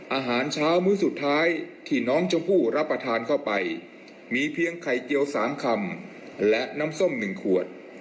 อาหารเช้ามื้อสุดท้ายที่น้องชมพู่รับประทานเข้าไปมีเพียงไข่เจียว๓คำและน้ำส้ม๑ขวด